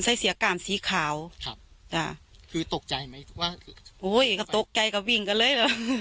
เสียกามสีขาวครับจ้ะคือตกใจไหมว่าโอ้ยก็ตกใจก็วิ่งกันเลย